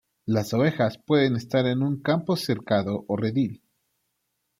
Las ovejas pueden estar en un campo cercado o redil.